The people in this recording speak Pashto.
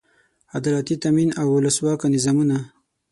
عدالتي تامین او اولسواکه نظامونه.